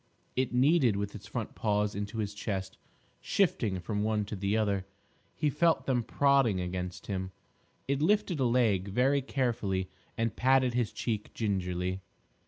It kneaded with its front paws into his chest, shifting from one to the other. He felt them prodding against him. It lifted a leg very carefully and patted his cheek gingerly.